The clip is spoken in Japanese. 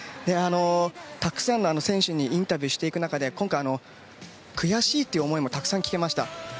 たくさんの選手にインタビューをしていく中で今回、悔しいという思いもたくさん聞けました。